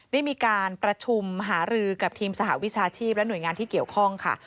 ได้มีการประชุมหารือกับทีมสหวิชาชีพและหน่วยงานที่เกี่ยวข้องค่ะ